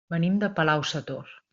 Venim de Palau-sator.